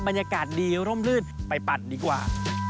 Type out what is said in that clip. บรรยากาศดีร่มลื่นไปปั่นดีกว่า